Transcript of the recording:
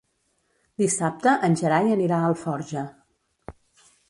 Dissabte en Gerai anirà a Alforja.